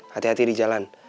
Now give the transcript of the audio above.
hati hati di jalan